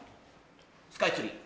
スカイツリー。